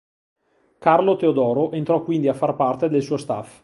Carlo Teodoro entrò quindi a far parte del suo staff.